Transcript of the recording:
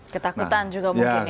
ketakutan juga mungkin ya